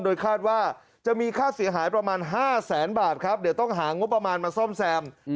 โดยคาดว่าจะมีค่าเสียหายประมาณ๕แสนบาทครับเดี๋ยวต้องหางบประมาณมาซ่อมแซม